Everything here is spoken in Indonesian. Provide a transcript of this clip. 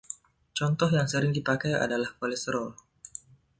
Contoh yang sering dipakai adalah kolesterol.